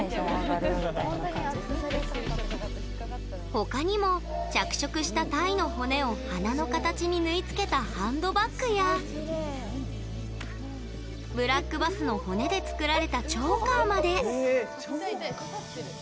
他にも、着色したタイの骨を花の形に縫い付けたハンドバッグやブラックバスの骨で作られたチョーカーまで。